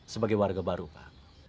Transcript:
sebagai warga baru pak